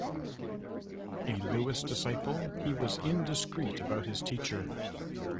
A Lewis disciple, he was indiscreet about his teacher.